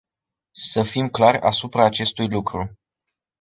Să fim clari asupra acestui lucru.